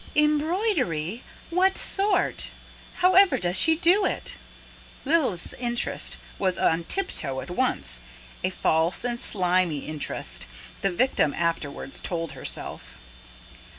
"Embroidery? What sort? However does she do it?" Lilith's interest was on tiptoe at once a false and slimy interest, the victim afterwards told herself.